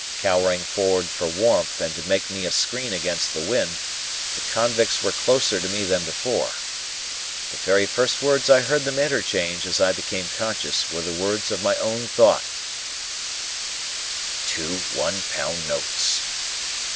Cowering forward for warmth and to make me a screen against the wind, the convicts were closer to me than before. The very first words I heard them interchange as I became conscious, were the words of my own thought, "Two One Pound notes."